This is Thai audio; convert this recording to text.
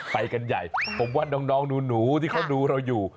ไปกันใหญ่ผมว่าน้องหนูที่เขาดูเราอยู่